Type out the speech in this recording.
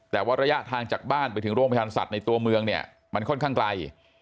แต่ว่าระยะทางจากบ้านไปถึงโรงพยาบาลสัตว์ในตัวเมืองเนี่ยมันค่อนข้างไกล